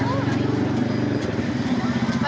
langsung aja kita cobain